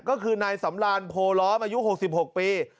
ก็คือนายสำรานโพล้อมอายุ๖๖ปี